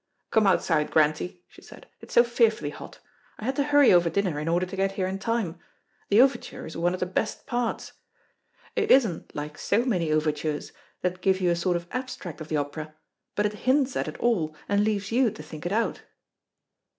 "Come outside, Grantie," she said, "it's so fearfully hot. I had to hurry over dinner in order to get here in time. The overture is one of the best parts. It isn't like so many overtures that give you a sort of abstract of the opera, but it hints at it all, and leaves you to think it out."